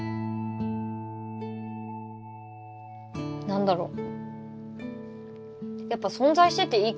何だろう